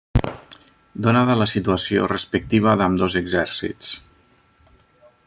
Donada la situació respectiva d'ambdós exèrcits.